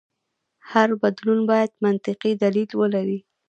هر بدلون باید منطقي دلیل ولري.